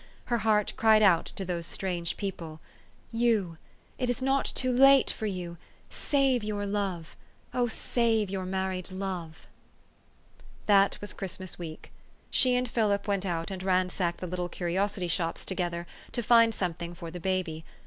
Her heart cried out to those strange people, "You it is not too late for you save your love ! Oh, save your married love !" That was Christmas week. She and Philip went out and ransacked the little curiosity shops together, to find something for the baby.